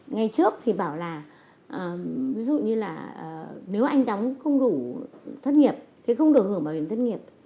ngày trước thì bảo là ví dụ như là nếu anh đóng không đủ thất nghiệp thì không được hưởng bảo hiểm thất nghiệp